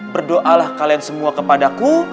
berdoalah kalian semua kepadaku